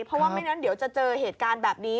เพราะว่าไม่งั้นเดี๋ยวจะเจอเหตุการณ์แบบนี้